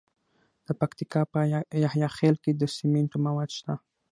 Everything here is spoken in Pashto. د پکتیکا په یحیی خیل کې د سمنټو مواد شته.